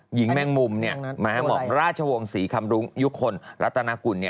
หญิงแม่มุมมหาหมอกราชวงศ์ศรีคำรุงยุคคลรัฐนาคุณ